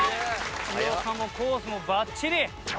強さもコースもバッチリ！